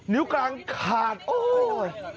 นิ้วกลางขาดโอ้ย